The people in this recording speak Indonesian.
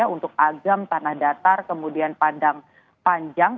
untuk agam tanah datar kemudian padang panjang